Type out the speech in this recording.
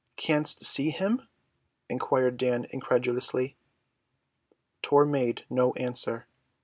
"Canst see him?" inquired Dan incredulously. Tor made no answer.